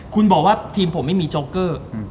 คุณบอกว่าทีมผมไม่มีจ๊อกเกอร์